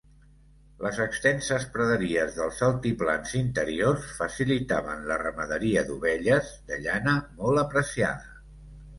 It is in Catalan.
Les extenses praderies dels altiplans interiors facilitaven la ramaderia d'ovelles, de llana molt apreciada.